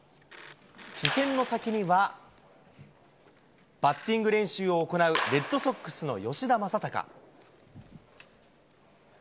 視線の先には、バッティング練習を行うレッドソックスの吉田正尚。